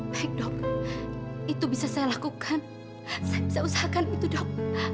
baik dok itu bisa saya lakukan saya bisa usahakan itu dok